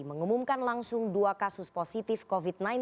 mengumumkan langsung dua kasus positif covid sembilan belas